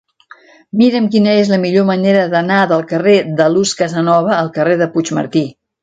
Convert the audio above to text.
Mira'm quina és la millor manera d'anar del carrer de Luz Casanova al carrer de Puigmartí.